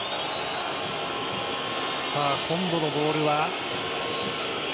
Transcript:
今度のボールは。